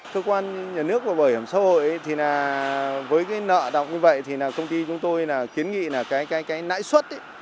cơ quan nhà nước và bảo hiểm xã hội thì là với cái nợ động như vậy thì là công ty chúng tôi là kiến nghị là cái lãi xuất